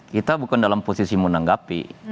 kita bukan dalam posisi menanggapi